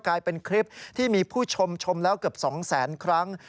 กลายเป็นคลิปที่มีผู้ชมชมแล้วเกือบ๒แสนครั้ง